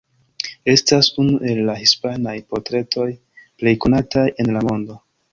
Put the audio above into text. Estas unu el la hispanaj portretoj plej konataj en la mondo.